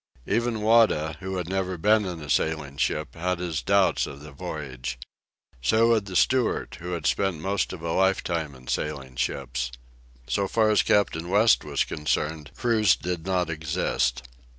Even Wada, who had never been in a sailing ship, had his doubts of the voyage. So had the steward, who had spent most of a life time in sailing ships. So far as Captain West was concerned, crews did not exist.